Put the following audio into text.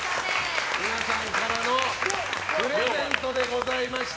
皆さんからのプレゼントでございました。